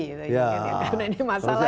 karena ini masalahnya